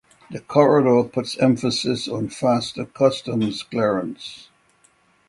The corridor puts emphasis on faster customs clearance.